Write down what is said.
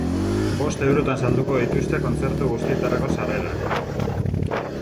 Bost euroan salduko dituzte kontzertu guztietarako sarrerak.